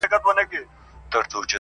د سر په غم کي ټوله دنیا ده.!